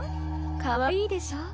かわいいでしょ？